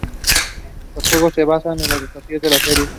Los juegos se basan en los desafíos de la serie.